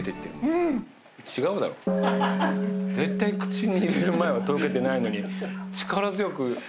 絶対口に入れる前は溶けてないのに力強く。